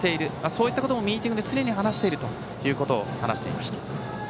そういったこともミーティングで常に話していると話していました。